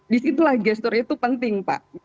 disitulah gesturnya itu penting pak